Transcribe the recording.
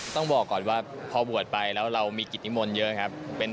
ต้องบอกก่อนว่าพอบวชไปแล้วเรามีกิจนิมนต์เยอะครับ